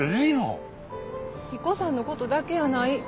彦さんの事だけやない。